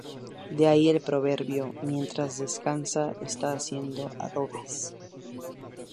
De ahí el proverbio: "mientras descansa está haciendo adobes".